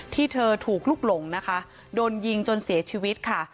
ที่เธอถูกลุกหลงนะคะโดนยิงจนเสียชีวิตค่ะ